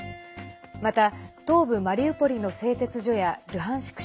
また、東部マリウポリの製鉄所やルハンシク